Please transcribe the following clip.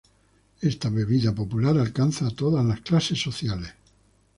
Esta bebida popular alcanza a todas las clases sociales.